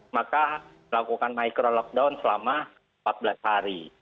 maka melakukan micro lockdown selama empat belas hari